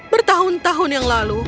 bertahun tahun yang lalu